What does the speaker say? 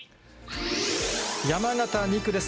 山形２区です。